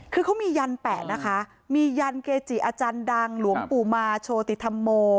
คือเขามียันแปะนะคะมียันเกจิอาจารย์ดังหลวงปู่มาโชติธรรมโม